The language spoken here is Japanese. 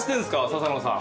笹野さん。